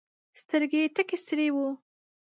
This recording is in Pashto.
سترګي یې تکي سرې وې !